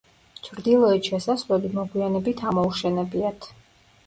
ჩრდილოეთ შესასვლელი მოგვიანებით ამოუშენებიათ.